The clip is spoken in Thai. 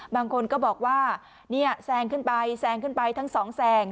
บางคนก็บอกว่าเนี่ยแซงขึ้นไปแซงขึ้นไปทั้งสองแซง